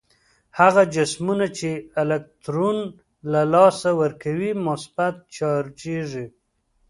هغه جسمونه چې الکترون له لاسه ورکوي مثبت چارجیږي.